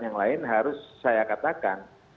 yang lain harus saya katakan